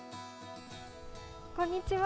こんにちは！